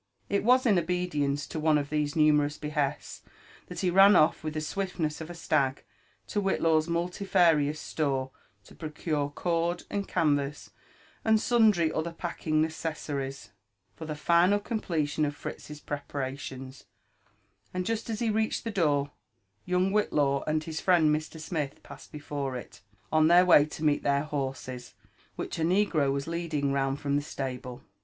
It was in obedience to one of these numerous behests, that he ran off with the swiftness of a slag to Whitlaw*s multifarious store, to procure cord and canvass, and sundry other packing necessaries, for the Goal completion of Fritz s preparations; and just as he reached the door, young Whitlaw and his friend Mr. Smith passed before it, on their way to meet their horses, which a negro was leading round from the stable.